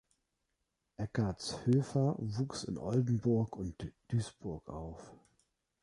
Eckertz-Höfer wuchs in Oldenburg und Duisburg auf.